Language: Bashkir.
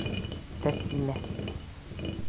Тәслимә